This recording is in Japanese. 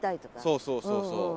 そうそうそうそう。